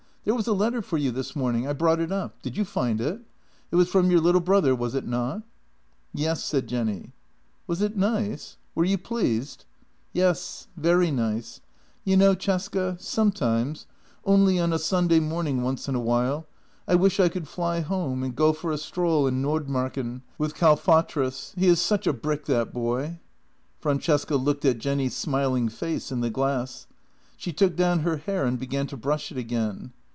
There was a letter for you this morning. I brought it up. Did you find it? It was from your little brother, was it not? "" Yes," said Jenny. "Was it nice? — were you pleased? " "Yes, very nice. You know, Cesca, sometimes — only on a Sunday morning once in a while — I wish I could fly home and go for a stroll in Nordmarken with Kalfatrus. He is such a brick, that boy." Francesca looked at Jenny's smiling face in the glass. She took down her hair and began to brush it again.